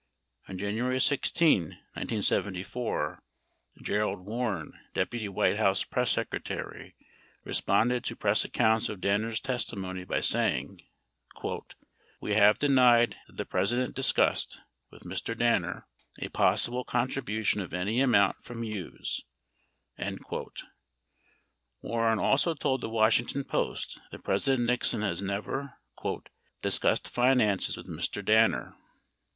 On January 16, 1974, Gerald Warren, Deputy White House Press Secretary, responded to press accounts of Danner's testimony by saying, "We have denied that the President discussed [with Mr. Danner] a possible contribution of any amount from Hughes." 31 War ren also told the Washington Post that President Nixon has never "discussed finances with Mr. Danner."